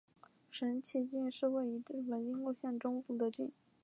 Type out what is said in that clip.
神崎郡是位于日本兵库县中部的郡。